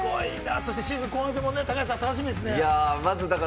そしてシーズン後半戦も楽しみですね、高橋さん。